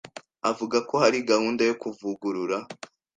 avuga ko hari gahunda yo kuvugurura